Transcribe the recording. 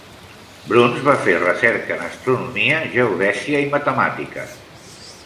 Bruns va fer recerca en astronomia, geodèsia i matemàtiques.